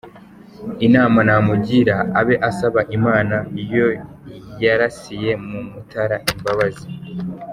Inama namugira abe asaba Imana yo yarasiye mu Mutara imbabazi.